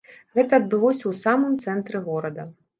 Гэта адбылося ў самым цэнтры горада.